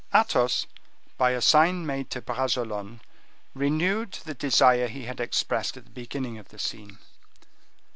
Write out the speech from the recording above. Athos, by a sign made to Bragelonne, renewed the desire he had expressed at the beginning of the scene.